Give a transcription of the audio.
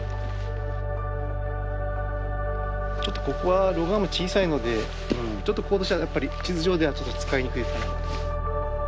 ちょっとここは露岩も小さいのでちょっとこことしてはやっぱり地図上では使いにくいかな。